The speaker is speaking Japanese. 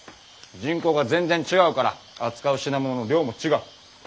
人口が全然違うから扱う品物の量も違う。